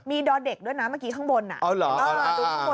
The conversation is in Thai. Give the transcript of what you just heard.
มีดอดเด็กด้วยมันเมื่อกี้ข้างบนน่ะ